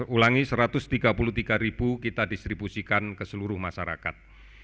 ulangi rp satu ratus tiga puluh tiga ribu kita distribusikan ke seluruh masyarakat